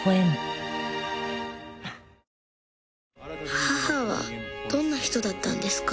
母はどんな人だったんですか？